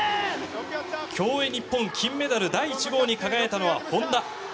競泳日本金メダル第１号に輝いたのは本多。